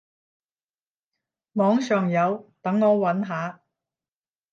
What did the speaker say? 網上有，等我揾下